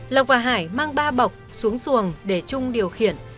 lộc và hải mang ba bọc xuống xuồng để trung điều khiển